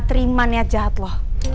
terima niat jahat lo